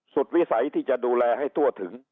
วิสัยที่จะดูแลให้ทั่วถึง